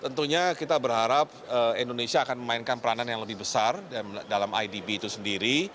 tentunya kita berharap indonesia akan memainkan peranan yang lebih besar dalam idb itu sendiri